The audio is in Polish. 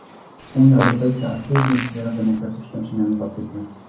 Unia Europejska aktywnie wspiera demokratyczne przemiany w Afryce